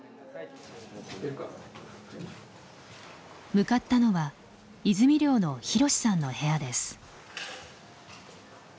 向かったのは泉寮のひろしさんの部屋です。